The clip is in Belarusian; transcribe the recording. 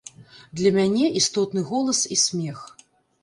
Для мяне істотны голас і смех.